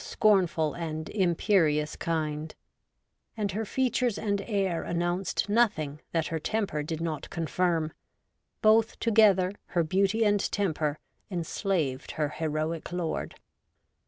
scornful and imperious kind, and her features and air announced nothing that her temper did not confirm ; both together, her beauty and temper, enslaved her heroic lord.'